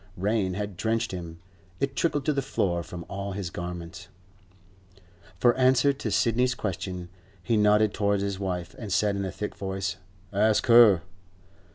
Rain had drenched him; it trickled to the floor from all his garments. For answer to Sidney's question, he nodded towards his wife, and said in a thick voice, 'Ask her.